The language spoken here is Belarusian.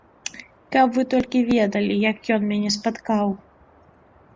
Каб вы толькі ведалі, як ён мяне спаткаў!